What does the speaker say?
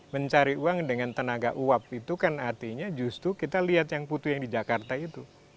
mencari uang dengan tenaga uap itu kan artinya justru kita lihat yang putu yang di jakarta itu